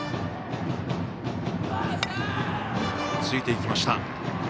ついていきました。